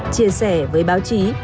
chia sẻ với báo chí